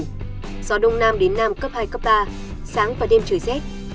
gió đông nam đến nam cấp hai cấp ba sáng và đêm trời rét